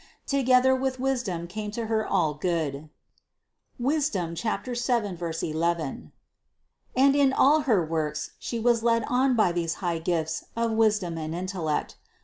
Together with wisdom came to Her all good (Wisdom 7, 11) and in all her works She was led on by these high gifts of wisdom and intellect.